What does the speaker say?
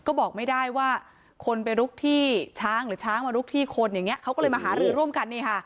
ก็บอกไม่ได้ว่าคนไปลุกที่ช้างหรือช้างมาลุกที่คนอย่างนี้เขาก็เลยมาหารือร่วมกันนี่ค่ะ